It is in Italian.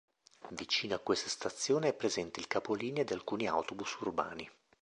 Vicino a questa stazione è presente il capolinea di alcuni autobus urbani.